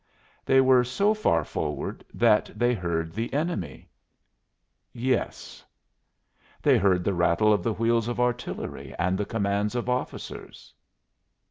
"They were so far forward that they heard the enemy." "Yes." "They heard the rattle of the wheels of artillery and the commands of officers."